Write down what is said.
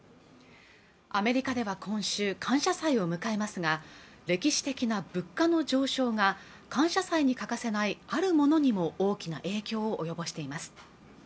アメリカでは今週感謝祭を迎えますが歴史的な物価の上昇が感謝祭に欠かせないあるものにも大きな影響を及ぼしています